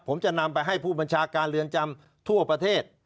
ผมจะนำไปให้ผู้บัญชาการเรือนจำทั่วประเทศ